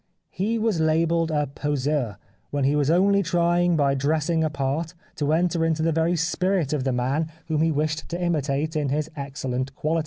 He was labelled a poseur when he was only trying by dressing a part to enter into the very spirit of the man whom he wished to imitate in his excellent qualities.